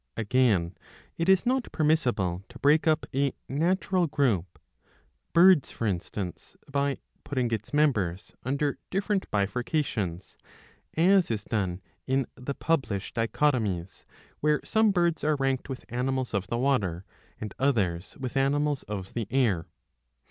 Again it is not permissible to break up a natural group, Birds for instance, by putting its members under different bifurcations, as is done in the published dichotomies, where some birds are ranked with Animals of the water, and others with Animals of the air.